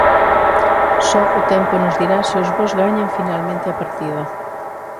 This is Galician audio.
Só o tempo nos dirá se os bos gañan finalmente a partida.